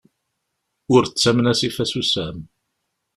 Ur ttamen asif asusam.